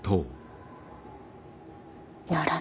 ならぬ。